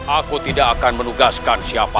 aku tidak akan menugaskan siapa